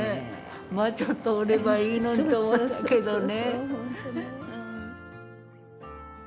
もうちょっとおればいいのにと思ったけどね。